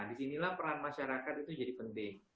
disinilah peran masyarakat itu jadi penting